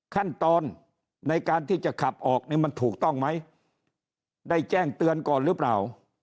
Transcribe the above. ขั้นตอนในการที่จะขับออกเนี่ยมันถูกต้องไหมได้แจ้งเตือนก่อนหรือเปล่า